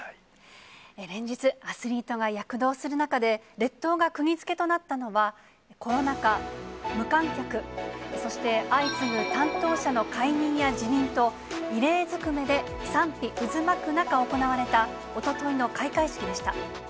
連日、アスリートが躍動する中で、列島がくぎづけとなったのは、コロナ禍、無観客、そして、相次ぐ担当者の解任や辞任と、異例ずくめで賛否渦巻く中行われたおとといの開会式でした。